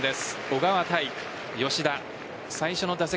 小川対吉田。